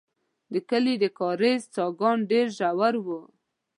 د کلي د کاریز څاګان ډېر ژور وو.